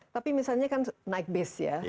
tapi misalnya kan naik base ya